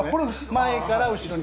前から後ろに。